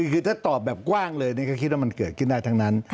คือถ้าตอบแบบกว้างเลยก็คิดว่ามันเกิดขึ้นได้ทั้งนั้น